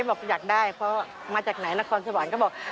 บอกอยากได้เพราะมาจากไหนนครสวรรค์ก็บอก